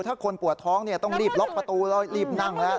ถ้าคนปวดท้องต้องรีบล็อกประตูแล้วรีบนั่งแล้ว